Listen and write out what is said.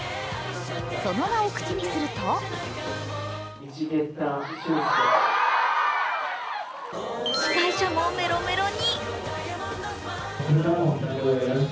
その名を口にすると司会者もメロメロに。